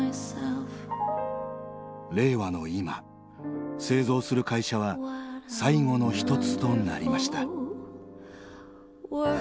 令和の今製造する会社は最後の一つとなりました。